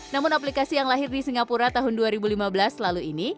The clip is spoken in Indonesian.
namun aplikasi yang lahir di singapura tahun dua ribu lima belas lalu ini